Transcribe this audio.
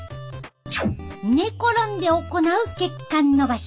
寝転んで行う血管のばし。